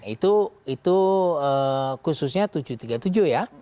itu khususnya tujuh ratus tiga puluh tujuh ya